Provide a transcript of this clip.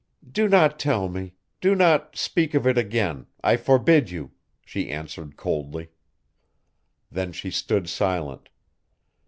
'Do not tell me do not speak of it again I forbid you,' she answered coldly. Then she stood silent.